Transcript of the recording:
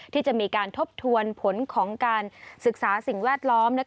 ที่จะมีการทบทวนผลของการศึกษาสิ่งแวดล้อม